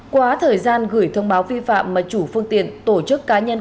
quá thời gian gửi thông báo vi phạm mà chủ phương tiện tổ chức cá nhân